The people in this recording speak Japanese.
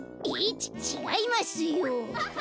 ちちがいますよ。